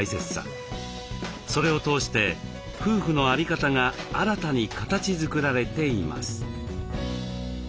それを通して夫婦のあり方が新たに形づくられています。